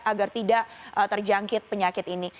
agar tidak terjangkit penyakit ini